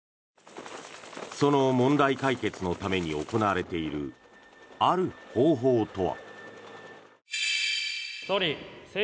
その問題解決のために行われているある方法とは。